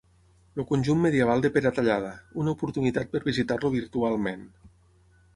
El conjunt medieval de Peratallada: una oportunitat per visitar-lo virtualment.